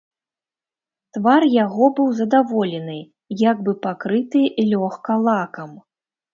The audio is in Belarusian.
Твар яго быў задаволены, як бы пакрыты лёгка лакам.